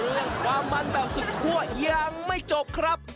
และความมันแบบสุดทั่วยังไม่จบครับ